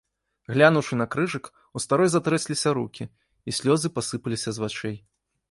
Глянуўшы на крыжык, у старой затрэсліся рукі, і слёзы пасыпаліся з вачэй.